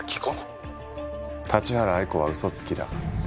「立原愛子は嘘つきだ」